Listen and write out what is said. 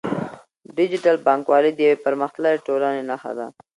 ډیجیټل بانکوالي د یوې پرمختللې ټولنې نښه ده.